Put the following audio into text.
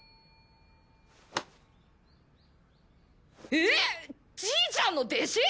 えっじいちゃんの弟子！？